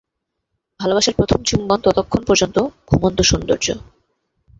ভালবাসার প্রথম চুম্বন ততক্ষণ পর্যন্ত, ঘুমন্ত সৌন্দর্য।